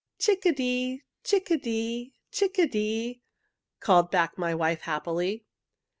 "'Chick a dee! Chick a dee! Chick a dee!' called back my wife happily."